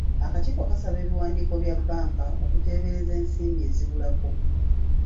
Akakiiko kasaba ebiwandiiko bya bbanka okuteebereza ensimbi ezibulako.